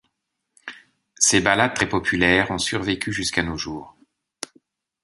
Ces ballades très populaires ont survécu jusqu'à nos jours.